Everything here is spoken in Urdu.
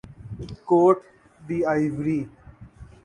quote d Ivory